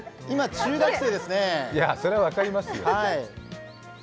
それは分かります。